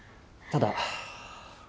ただ？